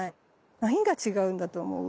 何が違うんだと思う？